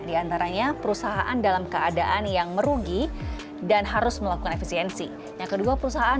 diantaranya perusahaan dalam keadaan yang merugi dan harus melakukan efisiensi yang kedua perusahaan